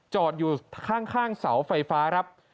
จอดอยู่ข้างเสาไฟฟ้าครับ